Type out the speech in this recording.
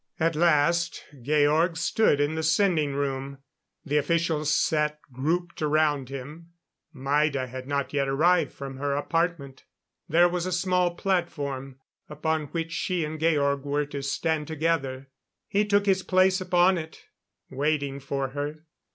At last Georg stood in the sending room. The officials sat grouped around him. Maida had not yet arrived from her apartment. There was a small platform, upon which she and Georg were to stand together. He took his place upon it, waiting for her.